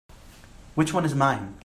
Which one is mine?